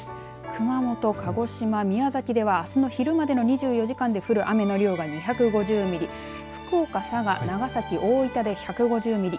熊本、鹿児島、宮崎ではあすの昼までの２４時間に降る雨の量が２５０ミリ福岡、佐賀、長崎大分で１５０ミリ